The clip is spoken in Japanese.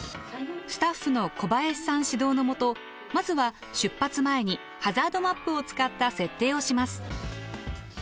スタッフの小林さん指導のもとまずは出発前にハザードマップを使った設定をします。